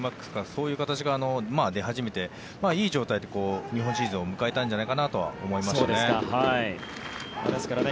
そういう形から出始めていい状態で日本シリーズを迎えたんじゃないかなとは思いますね。